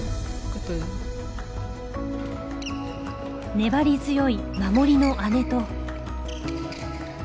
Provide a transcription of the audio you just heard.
粘り強い守りの姉と。